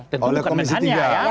tentukan menhannya ya